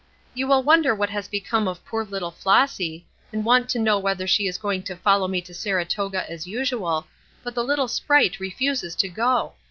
"You will wonder what has become of poor little Flossy, and want to know whether she is going to follow me to Saratoga as usual, but the little sprite refuses to go!